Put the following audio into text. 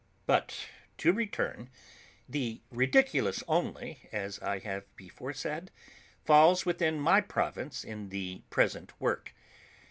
But to return The Ridiculous only, as I have before said, falls within my province in the present work.